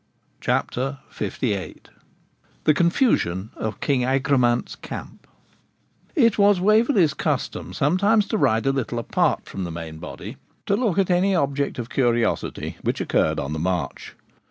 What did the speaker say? CHAPTER LVIII THE CONFUSION OF KING AGRAMANT'S CAMP Itwas Waverley's custom sometimes to ride a little apart from the main body, to look at any object of curiosity which occurred on the march.